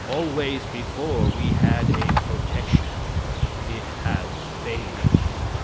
Always before, we had a protection. It has failed."